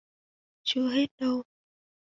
Chưa hết đâu